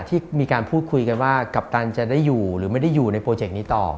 ที่มีการพูดคุยกันว่ากัปตันจะได้อยู่หรือไม่ได้อยู่ในโปรเจกต์นี้ต่อ